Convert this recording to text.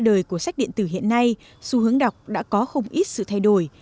đời của sách điện tử hiện nay xu hướng đọc đã có không ít sự thay đổi